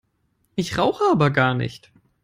Ich rauche aber gar nicht!